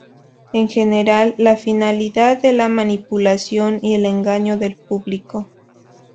En general, la finalidad es la manipulación y el engaño del público.